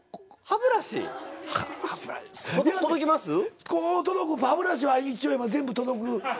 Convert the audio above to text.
歯ブラシは一応今全部届く。